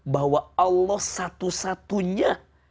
bahwa allah satu satunya